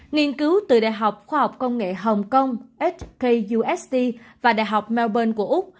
nghiên cứu từ đại học khoa học công nghệ hồng kông hkust và đại học melbourne của úc